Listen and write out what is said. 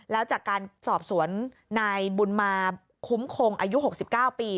แล้วจากการสอบสวนนายบุญมาคุ้มคงอายุ๖๙ปี